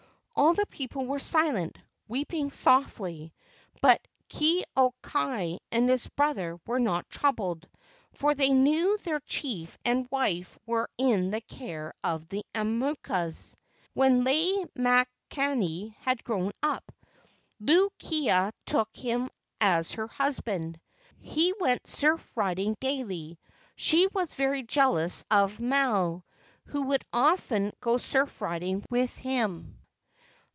All the people were silent, weeping softly, but Ke au kai and his brother were not troubled, for they knew their chief and wife were in the care of the aumakuas. When Lei makani had grown up, Luu kia took him as her husband. He went surf riding daily. She was very jealous of Maile, who would often go surf riding with him.